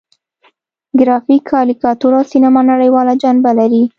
ګرافیک، کاریکاتور او سینما نړیواله جنبه لري.